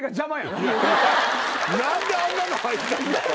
何であんなの入ったんだろう？